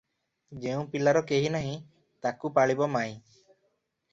ଯେଉଁ ପିଲାର କେହି ନାହିଁ, ତାକୁ ପାଳିବ ମାଇଁ!